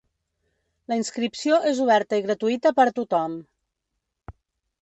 La inscripció és oberta i gratuïta per a tothom.